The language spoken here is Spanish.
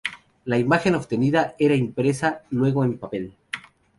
La imagen obtenida era impresa luego en papel.